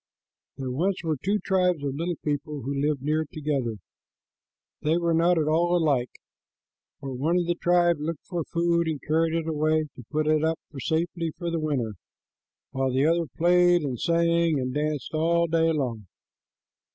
There were once two tribes of little people who lived near together. They were not at all alike, for one of the tribes looked for food and carried it away to put it up safely for winter, while the other played and sang and danced all day long.